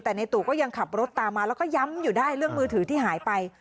แต่ในตู่ก็ยังขับรถตามมาแล้วก็ย้ำอยู่ได้เรื่องมือถือที่หายไป